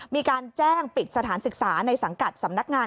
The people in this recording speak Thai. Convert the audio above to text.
มีการแจ้งปิดสถานศึกษาในสังกัดสำนักงาน